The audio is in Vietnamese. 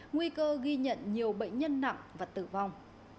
nguy cơ ghi nhận nhiều bệnh nhân nặng và tử vong